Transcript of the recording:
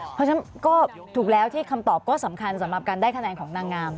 เพราะฉะนั้นก็ถูกแล้วที่คำตอบก็สำคัญสำหรับการได้คะแนนของนางงาม